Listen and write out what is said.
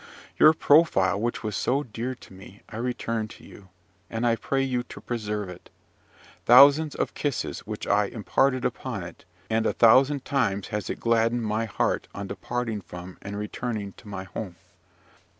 "Your profile, which was so dear to me, I return to you; and I pray you to preserve it. Thousands of kisses have I imprinted upon it, and a thousand times has it gladdened my heart on departing from and returning to my home.